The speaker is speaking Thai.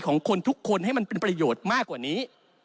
ของคนทุกคนให้มันเป็นประโยชน์มากกว่านี้